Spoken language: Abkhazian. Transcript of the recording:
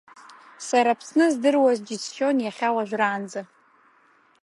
Сара Аԥсны здыруаз џьысшьон иахьа уажәраанӡа.